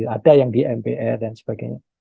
ada yang di mpr dan sebagainya